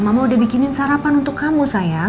mama udah bikinin sarapan untuk kamu sayang